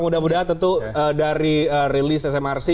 mudah mudahan tentu dari rilis smrc